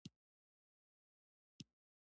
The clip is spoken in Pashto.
چې د اخبار په اداري مخ کې چاپېږي.